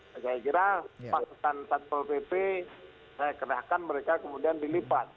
saya kira pasukan satpol pp saya kerahkan mereka kemudian dilipat